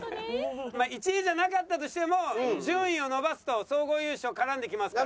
１位じゃなかったとしても順位を伸ばすと総合優勝絡んできますから。